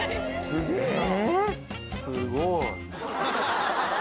すごいね。